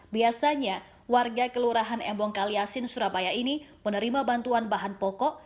biasanya warga kelurahan embong kaliasin surabaya ini menerima bantuan bahan pokok